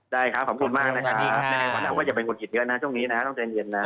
ได้ครับขอบคุณมากนะครับขออนุญาตว่าอย่าเป็นคนหิดเยอะนะช่วงนี้นะครับต้องใจเย็นนะ